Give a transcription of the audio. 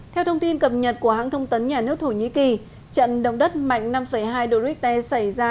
theo thông tin cập nhật của hãng thông tấn nhà nước thổ nhĩ kỳ trận đồng đất mạnh năm hai dorite xảy ra